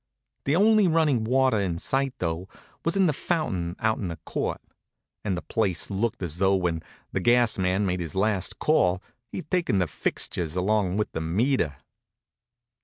The only running water in sight, though, was in the fountain out in the court, and the place looked as though when the gas man made his last call he'd taken the fixtures along with the meter.